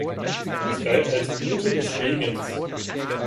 Es galt als Bote des Regens.